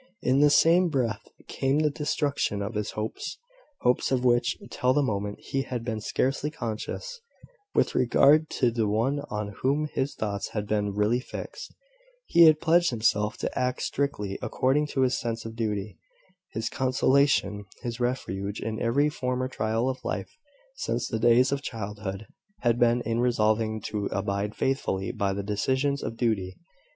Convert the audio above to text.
In the same breath came the destruction of his hopes, hopes, of which, till the moment, he had been scarcely conscious, with regard to the one on whom his thoughts had been really fixed. He had pledged himself to act strictly according to his sense of duty. His consolation, his refuge in every former trial of life, since the days of childhood, had been in resolving to abide faithfully by the decisions of duty.